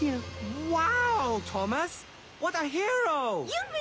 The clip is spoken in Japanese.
うわ！